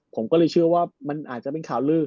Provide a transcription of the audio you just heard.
ผมก็เลยเชื่อว่ามันอาจจะเป็นข่าวลือ